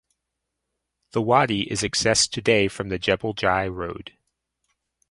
The wadi is accessed today from the Jebel Jais road.